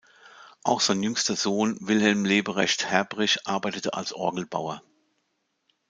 Auch sein jüngster Sohn Wilhelm Leberecht Herbrig arbeitete als Orgelbauer.